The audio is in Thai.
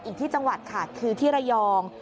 อีกที่จังหวัดค่ะคือที่ระยอง